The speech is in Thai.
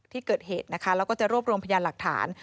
ที่เกิดเหตุนะคะแล้วก็จะรวบรวมพยานหลักฐาน